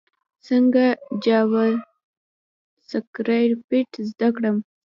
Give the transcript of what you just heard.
څنګه جاواسکريپټ زده کړم؟